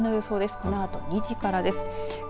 このあと２時からです。